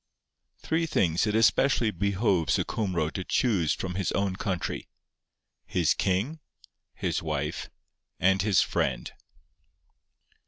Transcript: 'Three things it especially behoves a Cumro to choose from his own country: his king, his wife, and his friend.